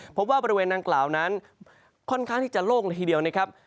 พบว่าบริเวณดังกล่าวนั้นค่อนข้างที่จะโล่งละทีเดียว